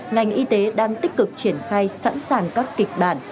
ngành y tế đang tích cực triển khai sẵn sàng các kịch bản